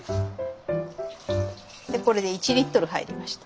でこれで１リットル入りました。